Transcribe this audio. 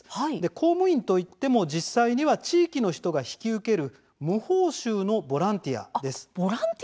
公務員といっても実際には地域の人が引き受ける無報酬のボランティアです。